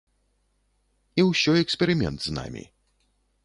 І ўсё эксперымент з намі.